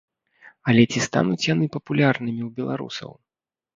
Але ці стануць яны папулярнымі ў беларусаў?